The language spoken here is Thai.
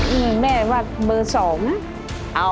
อืมแม่ว่าเบอร์๒นะ